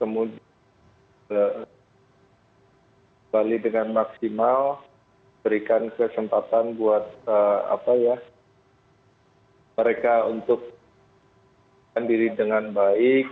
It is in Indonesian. kemudian balik dengan maksimal berikan kesempatan buat mereka untuk kendiri dengan baik